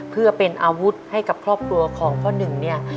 เพื่อเป็นอาวุธให้กับครอบครัวของพ่อหนึ่งเนี่ย